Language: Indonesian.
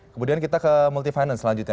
kemudian kita ke multifinance selanjutnya